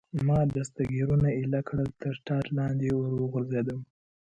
ما دستګیرونه ایله کړل، تر ټاټ لاندې ور وغورځېدم.